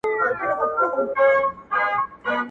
څومره غښتلی څومره بېباکه-